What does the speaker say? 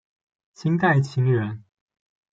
清代琴人。